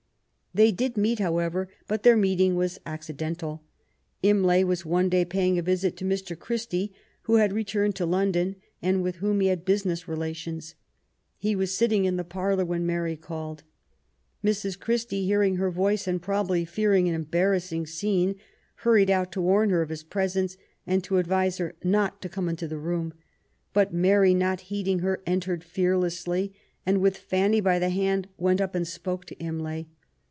They did meet, however, but their meeting was ac cidental. Imlay was one day paying a visit to Mr. Christie, who had returned to London, and with whom he had business relations. He was sitting in the parlour when Mary called. Mrs. Christie, hearing her voice, and probably fearing an embarrassing scene, hurried out to warn her of his presence, and to advise her not to come into the room. But Mary, not heeding her,^ entered fearlessly and, with Fanny by the hand, went up and spoke to Imlay.